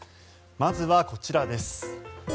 まずは、こちらです。